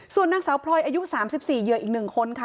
ส่วนนางสาวพลอยอายุ๓๔เหยื่ออีก๑คนค่ะ